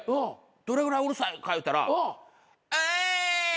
どれぐらいうるさいかいうたらウェーイ！